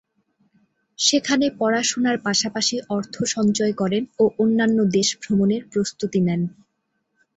সেখানে পড়াশোনার পাশাপাশি অর্থ সঞ্চয় করেন ও অন্যান্য দেশ ভ্রমণের প্রস্তুতি নেন।